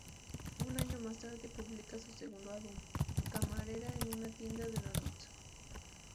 Un año más tarde publica su segundo álbum, "Camarera en una Tienda de Donut.